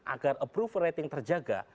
agar approval rating terjaga